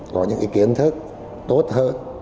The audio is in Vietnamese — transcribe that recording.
có những cái kiến thức tốt hơn